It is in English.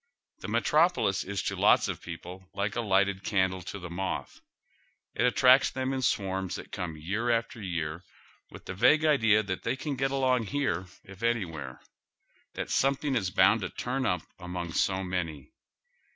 The metropolis is to lots of people like a lighted can dle to the moth. It attracts them in swarms that come year after year with the vague idea that they can get along here if anywhere; that sometliing is bound to turn up among so many.